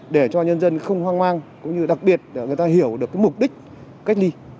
để cho nhân dân không hoang mang cũng như đặc biệt người ta hiểu được mục đích cách ly